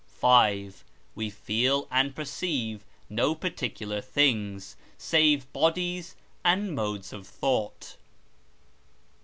V. We feel and perceive no particular things, save bodies and modes of thought.